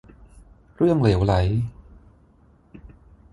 เรื่องเหลวไหล